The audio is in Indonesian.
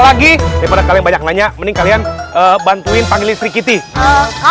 jadi daripada kalian banyak nanya mending kalian bantuin panggilin sri kitty